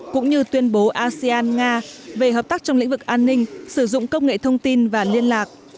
cũng như tuyên bố asean nga về hợp tác trong lĩnh vực an ninh sử dụng công nghệ thông tin và liên lạc